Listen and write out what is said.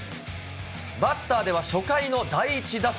バッターでは初回の第１打席。